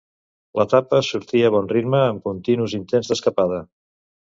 L'etapa sortí a bon ritme amb continus intents d'escapada.